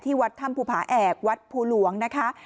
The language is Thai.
วัดถ้ำภูผาแอกวัดภูหลวงนะคะ